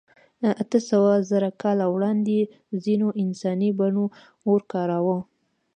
اتهسوهزره کاله وړاندې ځینو انساني بڼو اور کاراوه.